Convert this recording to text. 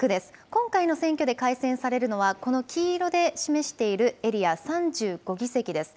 今回の選挙で改選されるのはこの黄色で示しているエリア、３５議席です。